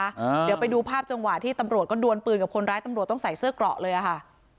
เดี๋ยวไปดูภาพจังหวะที่ตำรวจก็ดวนปืนกับคนร้ายตำรวจต้องใส่เสื้อเกราะเลยอ่ะค่ะ